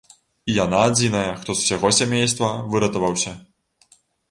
І яна адзіная, хто з усяго сямейства выратаваўся.